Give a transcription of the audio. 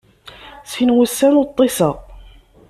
Sin wussan ur ṭṭiseɣ.